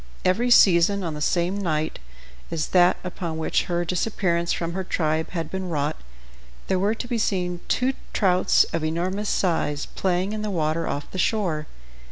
Every season, on the same night as that upon which her disappearance from her tribe had been wrought, there were to be seen two trouts of enormous size playing in the water off the shore.